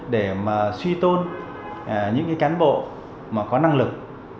để mà suy tôn những cán bộ mà có năng lực